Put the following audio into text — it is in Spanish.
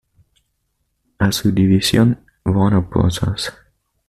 A su División Warner Bros.